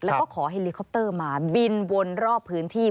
แล้วก็ขอเฮลิคอปเตอร์มาบินวนรอบพื้นที่